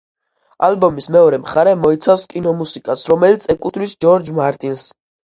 ალბომის მეორე მხარე მოიცავს კინომუსიკას, რომელიც ეკუთვნის ჯორჯ მარტინს.